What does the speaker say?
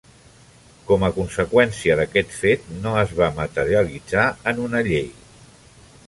Com a conseqüència d'aquest fet, no es va materialitzar en una llei.